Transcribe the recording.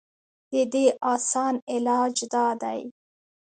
د دې اسان علاج دا دے